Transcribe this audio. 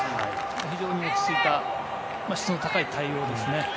非常に落ち着いた質の高い対応でしたね。